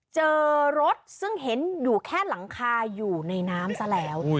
เจอรถซึ่งเห็นอยู่แค่หลังคาอยู่ในน้ำซะแล้ว